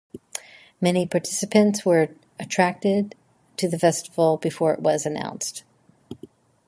Many participants were attracted to the festival before it was announced.